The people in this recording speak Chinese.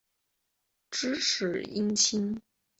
布坎南始终轻视东岸纽约的知识菁英。